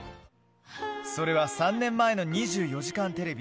それは３年前の２４時間テレビ。